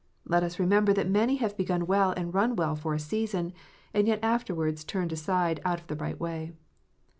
Let us remember that many have begun well and run well for a season, and yet afterwards turned aside out of the right way.